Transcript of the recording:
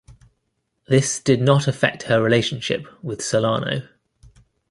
This did not affect her relationship with Solano.